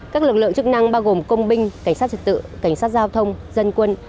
các lực lượng chức năng bao gồm công binh cảnh sát trật tự cảnh sát giao thông dân quân